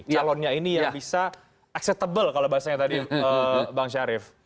calonnya ini yang bisa acceptable kalau bahasanya tadi bang syarif